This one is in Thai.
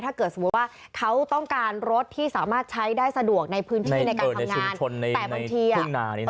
ถ้าเกิดสมมติว่าเขาต้องการรถที่สามารถใช้ได้สะดวกในพื้นที่ในการทำงาน